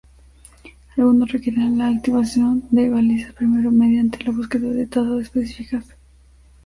Algunos requieren la activación de balizas primero mediante la búsqueda de tazas especiales.